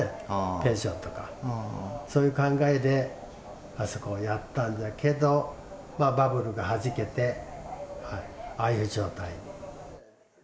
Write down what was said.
ペンションとか、そういう考えで、あそこをやったんだけど、バブルがはじけて、ああいう状態。